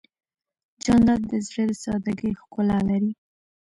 جانداد د زړه د سادګۍ ښکلا لري.